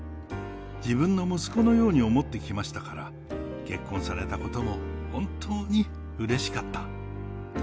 自分の息子のように思ってきましたから、結婚されたことも本当にうれしかった。